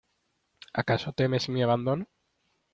¿ acaso temes mi abandono?